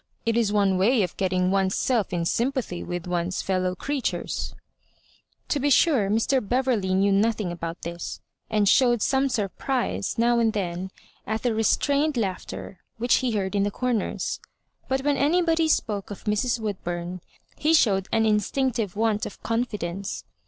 It is one way of getting one's self in sympathy with one's fellow creaturea" To be sure, Mr. Beverley knew nothing about this, and showed some surprise now and then at the restrained laughter which he heard in the corners; but when anybody spoke of Mra Woodburn, he showed an instinctive want of confidence.